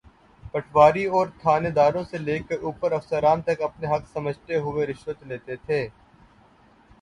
پٹواری اورتھانیداروں سے لے کر اوپر افسران تک اپنا حق سمجھتے ہوئے رشوت لیتے تھے۔